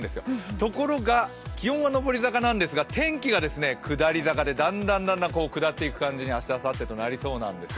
ところが気温は上り坂なんですが天気が下り坂でだんだん下っていく感じに明日、あさってとなりそうなんですよ。